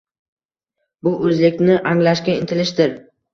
Bu o‘zlikni anglashga intilishdir.